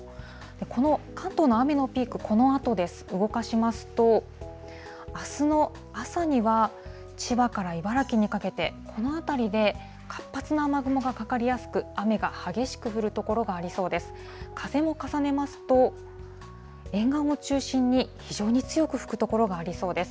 この関東の雨のピーク、このあとです、動かしますと、あすの朝には、千葉から茨城にかけて、この辺りで活発な雨雲がかかりやすく、雨が激しく降る所がありそうです。